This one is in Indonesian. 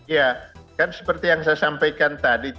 ya kan seperti yang saya sampaikan tadi